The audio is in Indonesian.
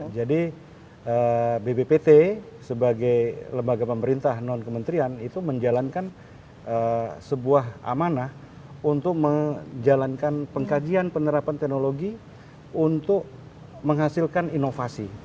jadi bppt sebagai lembaga pemerintah non kementrian itu menjalankan sebuah amanah untuk menjalankan pengkajian penerapan teknologi untuk menghasilkan inovasi